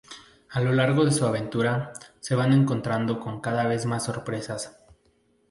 A lo largo de su aventura, se van encontrando con cada vez más sorpresas.